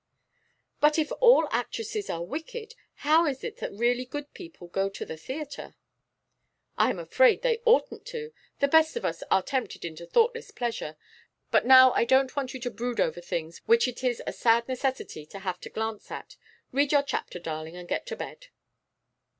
'But if all actresses are wicked, how is it that really good people go to the theatre?' 'I am afraid they oughtn't to. The best of us are tempted into thoughtless pleasure. But now I don't want you to brood over things which it is a sad necessity to have to glance at. Read your chapter, darling, and get to bed.